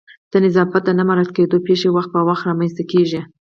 د نظافت د نه مراعت کېدو پیښې وخت په وخت رامنځته کیږي